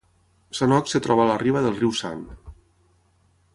Sanok es troba a la riba del riu San.